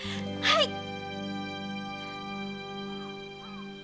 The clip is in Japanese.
はい！